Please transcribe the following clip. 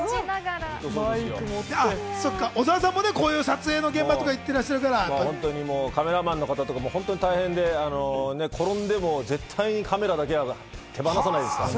小澤さんもこういう撮影の現場とか行ってらっしゃるから、本当にカメラマンの方とか大変で、転んでも絶対にカメラだけは手放さないですからね。